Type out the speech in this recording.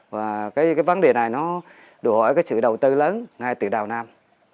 và vấn đề này đủ hỏi sự đầu tư lớn ngay từ đào nam